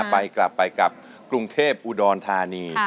ไปกลับไปกลับกรุงเทพอุดรธานี